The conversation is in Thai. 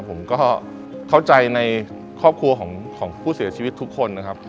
ผมก็เข้าใจในครอบครัวของผู้เสียชีวิตทุกคนนะครับ